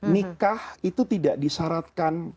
nikah itu tidak disaratkan